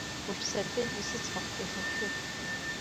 Уажә сартәеит уи сыцхахә еихаршәы.